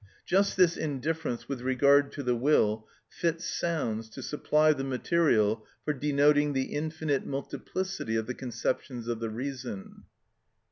Just this indifference with regard to the will fits sounds to supply the material for denoting the infinite multiplicity of the conceptions of the reason.